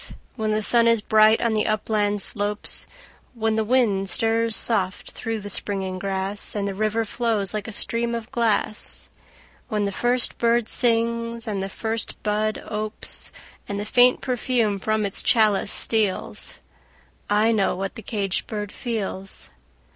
When the sun is bright on the upland slopes; When the wind stirs soft through the springing grass, And the river flows like a stream of glass; When the first bird sings and the first bud opes, And the faint perfume from its chalice steals I know what the caged bird feels!